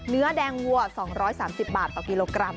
เนื้อแดงวัว๒๓๐บาทต่อกิโลกรัม